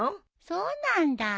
そうなんだ。